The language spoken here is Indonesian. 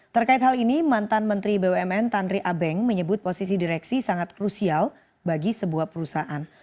terkait hal ini mantan menteri bumn tanri abeng menyebut posisi direksi sangat krusial bagi sebuah perusahaan